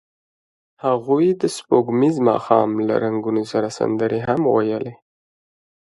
هغوی د سپوږمیز ماښام له رنګونو سره سندرې هم ویلې.